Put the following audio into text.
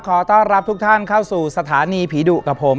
ขอต้อนรับทุกท่านเข้าสู่สถานีผีดุกับผม